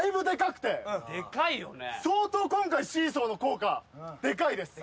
相当今回シーソーの効果でかいです。